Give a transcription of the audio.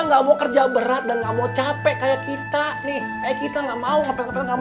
nggak mau kerja berat dan nggak mau capek kayak kita nih kayak kita nggak mau ngapain kamu